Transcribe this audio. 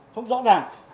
không rõ ràng